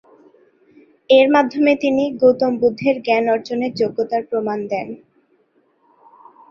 এর মাধ্যমে তিনি গৌতম বুদ্ধের জ্ঞান অর্জনের যোগ্যতার প্রমাণ দেন।